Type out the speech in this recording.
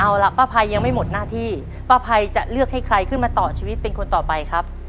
เอาล่ะป้าภัยยังไม่หมดหน้าที่ป้าภัยจะเลือกให้ใครขึ้นมาต่อชีวิตเป็นคนต่อไปครับ